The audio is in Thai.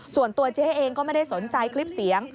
ส่วนตัวเจ๊เองก็ไม่ได้สนใจคลิปเสียง